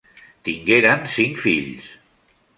Tingueren cinc fills.